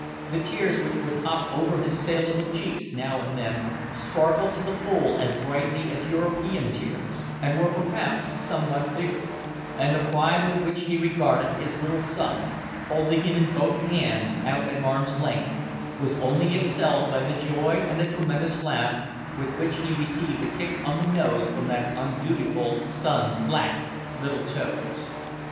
The tears which would hop over his sable cheeks now and then sparkled to the full as brightly as European tears, and were perhaps somewhat bigger; and the pride with which he regarded his little son, holding him in both hands out at arms' length, was only excelled by the joy and the tremendous laugh with which he received a kick on the nose from that undutiful son's black little toes.